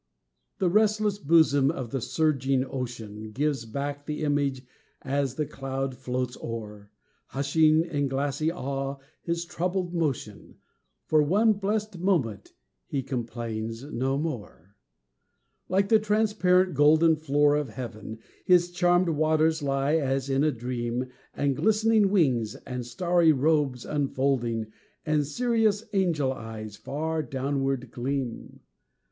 The restless bosom of the surging ocean Gives back the image as the cloud floats o'er, Hushing in glassy awe his troubled motion; For one blest moment he complains no more. Like the transparent golden floor of heaven, His charmèd waters lie as in a dream, And glistening wings, and starry robes unfolding, And serious angel eyes far downward gleam.